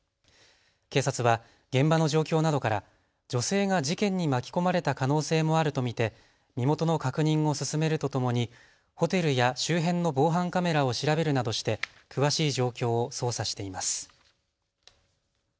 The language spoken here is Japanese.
警察は現場の状況などから女性が事件に巻き込まれた可能性もあると見て身元の確認を進めるとともにホテルや周辺の防犯カメラを調べるなどして詳しい状況を捜査しています。